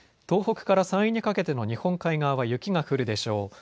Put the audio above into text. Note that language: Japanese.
東北から山陰にかけての日本海側は雪が降るでしょう。